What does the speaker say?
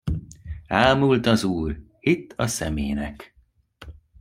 Ámult az úr, hitt a szemének.